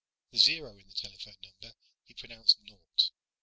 The zero in the telephone number he pronounced "naught."